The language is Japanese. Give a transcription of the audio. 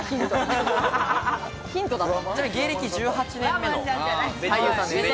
芸歴１８年目の俳優さんです。